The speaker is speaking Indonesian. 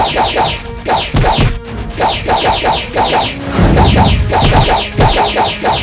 kita akan memberi ser peel